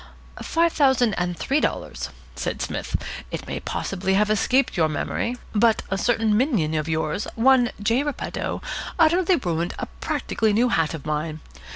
"Five thousand and three dollars," said Psmith. "It may possibly have escaped your memory, but a certain minion of yours, one J. Repetto, utterly ruined a practically new hat of mine.